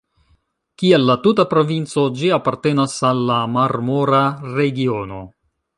Kiel la tuta provinco, ĝi apartenas al la Marmora regiono.